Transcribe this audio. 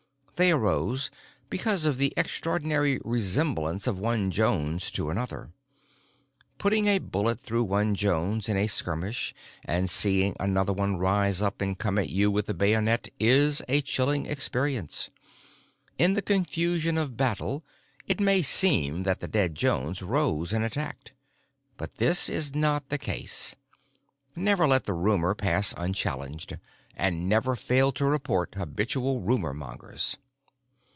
They arose because of the extraordinary resemblance of one Jones to another. Putting a bullet through one Jones in a skirmish and seeing another one rise up and come at you with a bayonet is a chilling experience; in the confusion of battle it may seem that the dead Jones rose and attacked. But this is not the case. Never let the rumor pass unchallenged, and never fail to report habitual rumor mongers.